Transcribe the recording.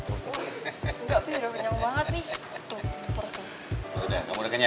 engga sih udah penyamu banget nih